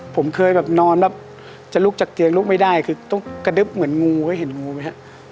ผมเคยแบบนอนแบบจะลุกจากเตียงลุกไม่ได้คือต้องกระดึ๊บเหมือนงูไว้เห็นงูไหมฮะ